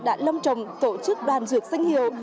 đã lâm trọng tổ chức đoàn duyệt danh hiệu